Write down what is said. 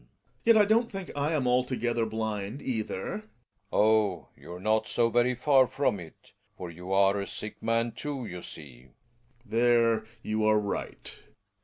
Gregers. Yet I don't think I am altogether blind either. Relling. Oh ! you're not so very far from it. For you are a sick man too, you see. Gregers. There you are right.